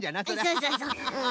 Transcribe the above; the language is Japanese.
そうそうそううん。